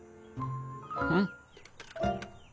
うん？